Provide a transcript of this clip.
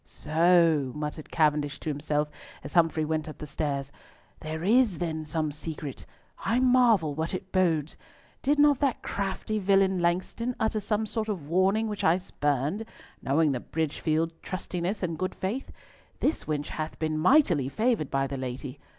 "So," muttered Cavendish to himself as Humfrey went up the stairs, "there is then some secret. I marvel what it bodes! Did not that crafty villain Langston utter some sort of warning which I spurned, knowing the Bridgefield trustiness and good faith? This wench hath been mightily favoured by the lady.